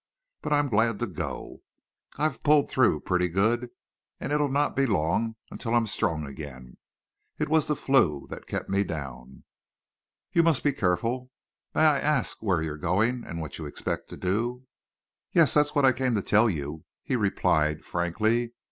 "But I'm glad to go. I've pulled through pretty good, and it'll not be long until I'm strong again. It was the 'flu' that kept me down." "You must be careful. May I ask where you're going and what you expect to do?" "Yes, that's what I came to tell you," he replied, frankly.